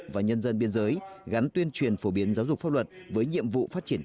và nhân dân biên giới gắn tuyên truyền phổ biến giáo dục pháp luật với nhiệm vụ phát triển